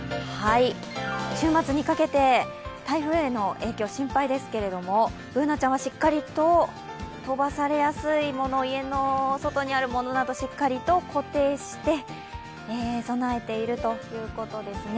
週末にかけて台風への影響、心配ですけどＢｏｏｎａちゃんはしっかりと飛ばされやすいもの、家の外にあるものなどしっかりと固定して備えているということですね。